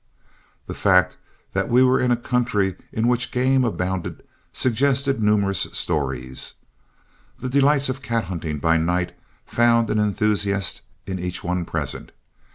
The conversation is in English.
The fact that we were in a country in which game abounded suggested numerous stories. The delights of cat hunting by night found an enthusiast in each one present.